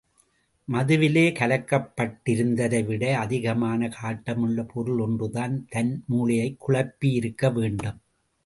மதுவிலே கலக்கப்பட்டிருந்ததை விட அதிகமான காட்டமுள்ள பொருள் ஒன்றுதான் தன் மூளையைக் குழப்பியிருக்க வேண்டும்.